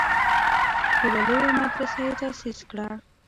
یوه لویه مدرسه یې تاسیس کړه.